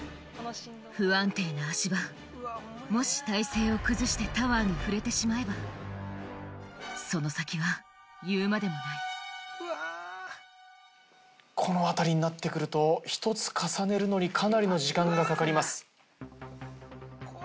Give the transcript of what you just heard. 不安定な足場もし体勢を崩してその先は言うまでもないこの辺りになってくると１つ重ねるのにかなりの時間がかかります。